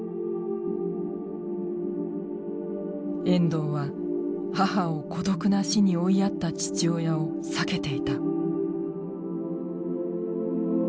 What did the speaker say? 遠藤は母を孤独な死に追いやった父親を避けていた。